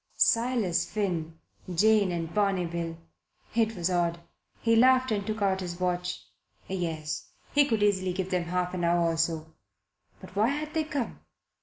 Silas Finn, Jane and Barney Bill! It was odd. He laughed and took out his watch. Yes, he could easily give them half an hour or so. But why had they come?